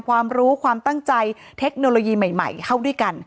ความรู้ความตั้งใจเทคโนโลยีใหม่เข้าด้วยกัน